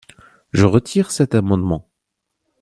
Je retire cet amendement.